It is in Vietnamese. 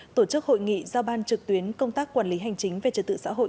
tổ chức hội nghị giao ban trực tuyến công tác quản lý hành chính về trật tự xã hội